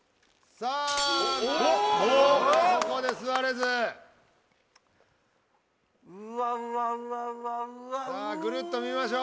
さあぐるっと見ましょう。